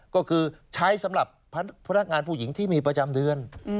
ก็คือใช้สำหรับพนักงานผู้หญิงที่มีประจำเดือน